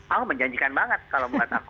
aku menjanjikan banget kalau bukan aku